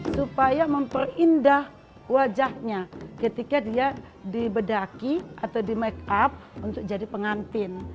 supaya memperindah wajahnya ketika dia dibedaki atau di make up untuk jadi pengantin